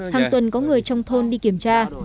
hàng tuần có người trong thôn đi kiểm tra